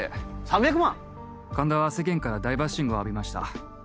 神田は世間から大バッシングを浴びました。